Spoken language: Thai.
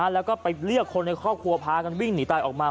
แล้วก็ไปเรียกคนในครอบครัวพากันวิ่งหนีตายออกมา